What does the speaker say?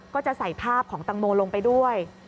ก็จะใส่ภาพของตังโมลงไปด้วย